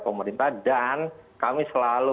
pemerintah dan kami selalu